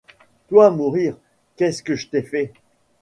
Toi mourir ! qu’est-ce que je t’ai fait ?